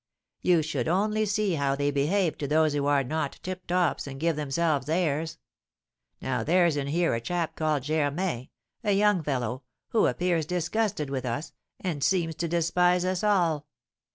You should only see how they behave to those who are not tip tops and give themselves airs. Now there's in here a chap called Germain, a young fellow, who appears disgusted with us, and seems to despise us all.